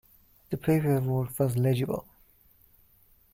The paperwork was legible.